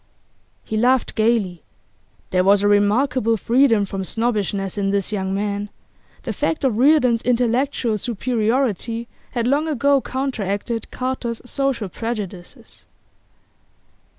He laughed gaily. There was a remarkable freedom from snobbishness in this young man; the fact of Reardon's intellectual superiority had long ago counteracted Carter's social prejudices.